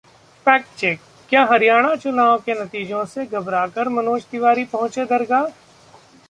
Fact check: क्या हरियाणा चुनाव नतीजों से घबराकर मनोज तिवारी पहुंचे दरगाह?